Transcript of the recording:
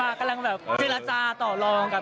เดี๋ยวเราเห็นบริการแล้วเราก็กลัวนะครับ